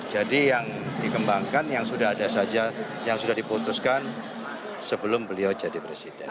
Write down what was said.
jadi yang dikembangkan yang sudah ada saja yang sudah diputuskan sebelum beliau jadi presiden